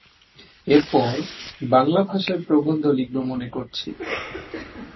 এরপর বাঙলা ভাষায় প্রবন্ধ লিখব মনে করছি।